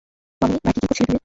মামুনি, বাইকে কী করছিলে তুমি?